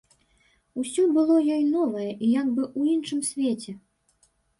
Усё было ёй новае і як бы ў іншым свеце.